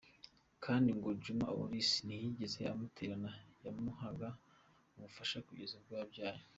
Kandi ngo Juma Oris ntiyigeze amutererana, yamuhaga ubufasha kugeza ubwo yabyaye.